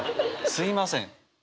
すみません。